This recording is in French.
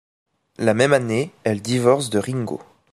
La même année, elle divorce de Ringo.